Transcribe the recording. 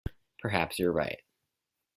Perhaps you're right.